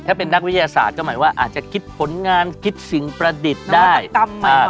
ถ้าเป็นนักวิทยาศาสตร์ก็หมายว่าอาจจะคิดผลงานคิดสิ่งประดิษฐ์ได้